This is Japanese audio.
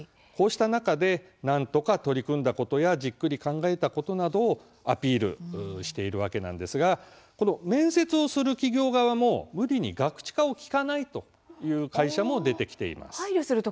こうした中でなんとか取り組んだことやじっくり考えたことなどをアピールしているわけなんですがこの面接をする企業側も無理にガクチカを聞かないという会社も出てきています。